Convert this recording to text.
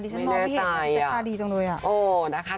ไม่แน่ใจอ่ะไม่เห็นแต่ภาพดีจริงอ่ะโอ้โฮนะคะ